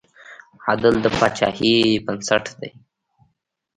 عدل د پاچاهۍ بنسټ دی.